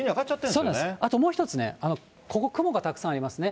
そうなんです、あともう一つね、ここ、雲がたくさんありますね。